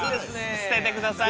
捨ててください。